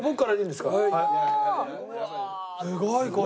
すごいこれ。